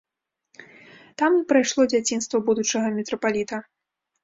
Там і прайшло дзяцінства будучага мітрапаліта.